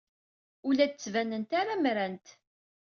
Ur la d-ttbanent ara mmrant.